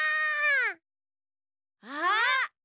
あっ！